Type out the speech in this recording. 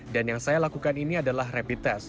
dan yang saya lakukan ini adalah rapid test